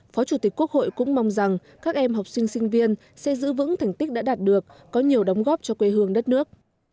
phó chủ tịch quốc hội cũng mong rằng các em học sinh sinh viên sẽ giữ vững thành tích đã đạt được có nhiều đóng góp cho quê hương đất nước